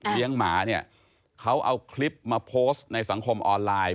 หมาเนี่ยเขาเอาคลิปมาโพสต์ในสังคมออนไลน์